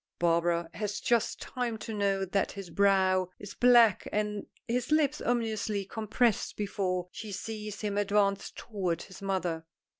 Barbara has just time to note that his brow is black and his lips ominously compressed before she sees him advance toward his mother.